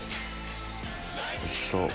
おいしそう。